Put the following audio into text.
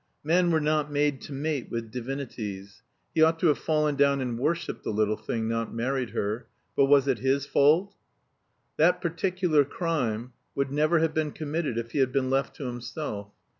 Men were not made to mate with divinities. He ought to have fallen down and worshiped the little thing, not married her. But was it his fault! That particular crime would never have been committed if he had been left to himself.